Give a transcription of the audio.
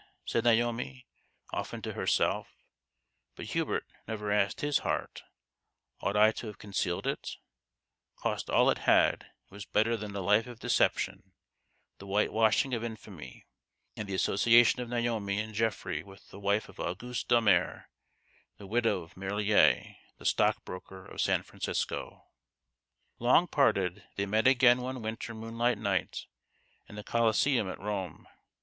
" said Naomi, often to herself; but Hubert never asked his heart :" Ought I to have concealed it ?" Cost all it had, it was better than a life of deception, the white washing of infamy, and the association of Naomi and Geoffrey with the wife of Auguste Delmare the widow of Marillier, the stockbroker of San Francisco. THE GHOST OF THE PAST. Long parted, they met again one winter moonlight night in the Coliseum at Rome.